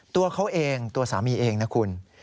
ตัวเขาเองตัวสามีเองนะคุณ